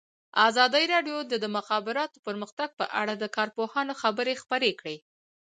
ازادي راډیو د د مخابراتو پرمختګ په اړه د کارپوهانو خبرې خپرې کړي.